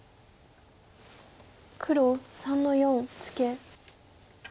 黒３の四ツケ。